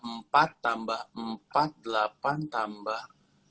empat tambah empat delapan tambah